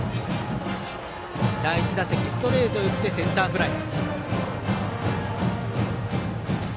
第１打席ストレート打ってセンターフライ。